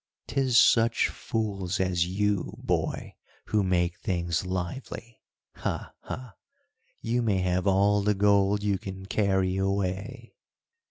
"'Tis such fools as you, boy, who make things lively. Ha! ha! You may have all the gold you can carry away!